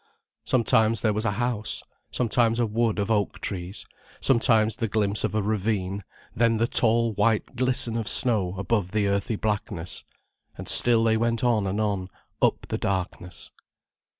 Sometimes there was a house, sometimes a wood of oak trees, sometimes the glimpse of a ravine, then the tall white glisten of snow above the earthly blackness. And still they went on and on, up the darkness.